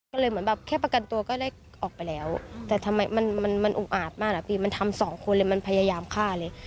ก็เลยเหมือนแบบแค่ประกันตัวก็ได้ออกไปแล้วแต่ทำไมมันอุกอาจมากอะพี่มันทำสองคนเลยมันพยายามฆ่าเลย